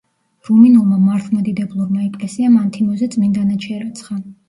რუმინულმა მართლმადიდებლურმა ეკლესიამ ანთიმოზი წმინდანად შერაცხა.